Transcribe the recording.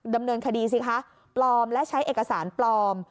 ดำเนินคดีสิคะปลอมและใช้เอกสารปลอม